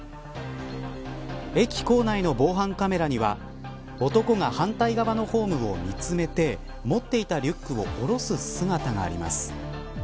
駅構内の防犯カメラには男が反対側のホームを見つめて持っていたリュックを降ろす姿があります。